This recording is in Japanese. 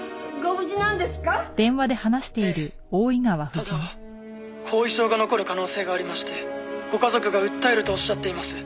ただ後遺症が残る可能性がありましてご家族が訴えるとおっしゃっています」